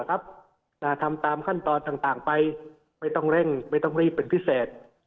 ทำตามขั้นตอนต่างไปไม่ต้องเร่งไม่ต้องรีบเป็นพิเศษ